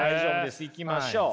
いきましょう。